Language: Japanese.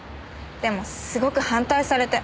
でもすごく反対されて。